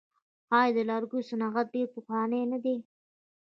آیا د لرګیو صنعت ډیر پخوانی نه دی؟